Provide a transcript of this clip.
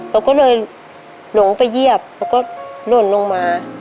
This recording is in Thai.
เราก็เลยลงไปเยียบแล้วก็หล่นลงมา